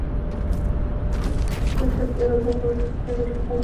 তবে সত্যি কথা বলতে কি, বেশি দূর যাওয়ার সাহস হতো না।